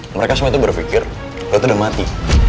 mereka semua tuh baru pikir lu tuh udah mati